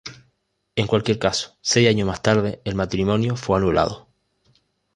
En cualquier caso, seis años más tarde, el matrimonio fue anulado.